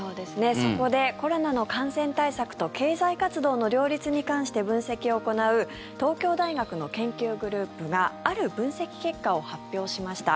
そこでコロナの感染対策と経済活動の両立に関して分析を行う東京大学の研究グループがある分析結果を発表しました。